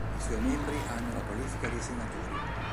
I suoi membri hanno la qualifica di senatori.